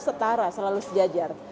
setara selalu sejajar